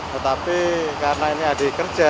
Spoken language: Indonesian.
tetapi karena ini ada di kerja